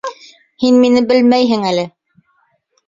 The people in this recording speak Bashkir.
Һин мине белмәйһең әле!